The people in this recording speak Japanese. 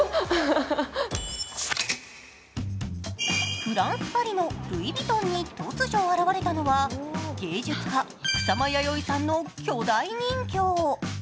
フランス・パリのルイ・ヴィトンに突如現れたのは、芸術家・草間彌生さんの巨大人形。